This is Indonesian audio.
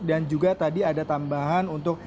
dan juga tadi ada tambahan untuk pajak